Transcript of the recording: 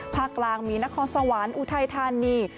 ภาคกลางมีนครสวรรค์อุทัยธานี